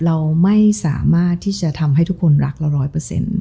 เราไม่สามารถที่จะทำให้ทุกคนรักเราร้อยเปอร์เซ็นต์